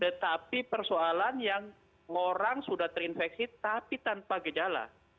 tetapi persoalan yang orang sudah terinfeksi tapi tanpa gejala